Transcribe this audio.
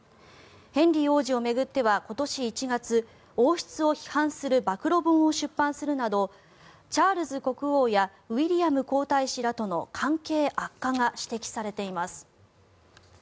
ヘンリー王子を巡っては今年１月王室を批判する暴露本を出版するなどチャールズ国王やウィリアム皇太子との関係悪化が指摘されています。